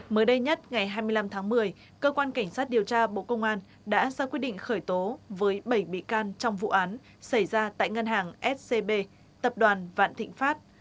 mới đây nhất ngày hai mươi năm tháng một mươi cơ quan cảnh sát điều tra bộ công an đã ra quyết định khởi tố với bảy bị can trong vụ án xảy ra tại ngân hàng scb tập đoàn vạn thịnh pháp